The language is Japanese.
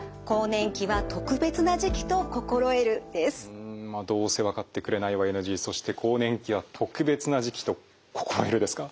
うん「どうせ分かってくれないはＮＧ」そして「更年期は特別な時期と心得る」ですか。